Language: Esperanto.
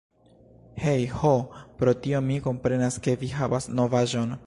Hej.... Ho, pro tio mi komprenas ke vi havas novaĵon!